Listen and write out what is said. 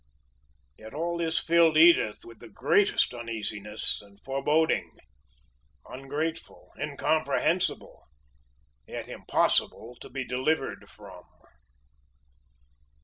Yet all this filled Edith with the greatest uneasiness and foreboding ungrateful, incomprehensible, yet impossible to be delivered from.